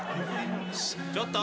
ちょっと！